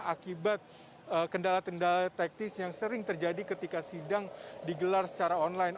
akibat kendala kendala teknis yang sering terjadi ketika sidang digelar secara online